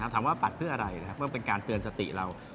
ปัดเพื่ออะไรนะครับเพื่อเป็นการเตือนสติเรา